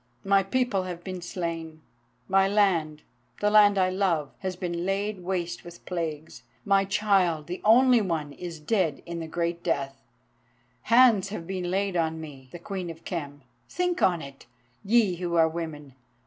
My people have been slain, my land—the land I love—has been laid waste with plagues; my child, the only one, is dead in the great death; hands have been laid on me, the Queen of Khem. Think on it, ye who are women!